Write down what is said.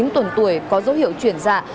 ba mươi chín tuần tuổi có dấu hiệu chuyển dạng